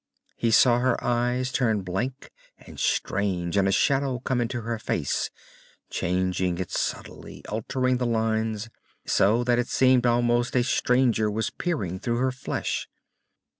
He saw her eyes turn blank and strange, and a shadow came into her face, changing it subtly, altering the lines, so that it seemed almost a stranger was peering through her flesh.